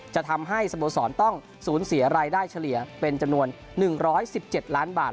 จะทำให้สโมสรต้องสูญเสียรายได้เฉลี่ยเป็นจำนวน๑๑๗ล้านบาท